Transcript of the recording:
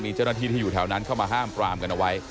มีเจ้าหน้าที่ที่อยู่แถวนั้นเข้ามาห้ามปรามกันเอาไว้